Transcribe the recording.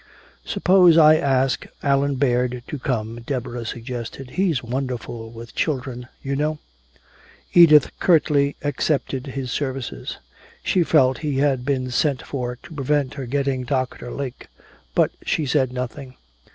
"Suppose I ask Allan Baird to come," Deborah suggested. "He's wonderful with children, you know." Edith curtly accepted his services. She felt he had been sent for to prevent her getting Doctor Lake. But she said nothing.